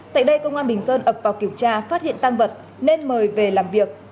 tại đây công an bình sơn ập vào kiểm tra phát hiện tăng vật nên mời về làm việc